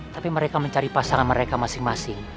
tapi mereka mencari pasangan mereka masing masing